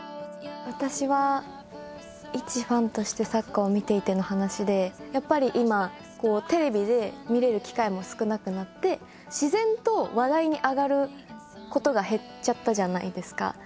私はいちファンとしてサッカーを見ていての話でやっぱり今テレビで見られる機会も少なくなって自然と話題に上がることが減っちゃったじゃないですか。